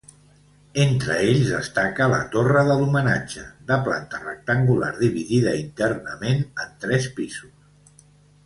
Entre ells destaca la Torre de l'Homenatge, de planta rectangular dividida internament en tres pisos.